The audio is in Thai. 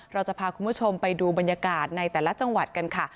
เราจะพาคุณผู้ชมไปดูบรรยากาศในแต่ละจังหวัดกันค่ะ